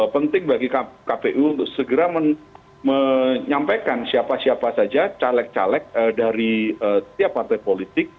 penting bagi kpu untuk segera menyampaikan siapa siapa saja caleg caleg dari tiap partai politik